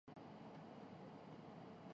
نبی صلی اللہ علیہ وسلم نے ان دونوں کو کہا